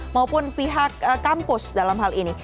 maupun pihak kampus dalam hal ini